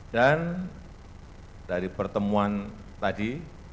dan dari pertemuan tadi